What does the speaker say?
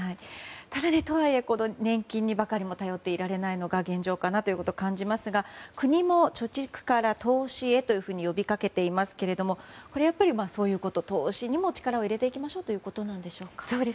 ただ、とはいえ年金にばかり頼っていられないのが現状かなと感じますが国も貯蓄から投資へと呼びかけていますけども投資にも力を入れていきましょうということなんでしょうか。